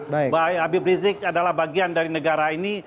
bahwa abiy rizik adalah bagian dari negara ini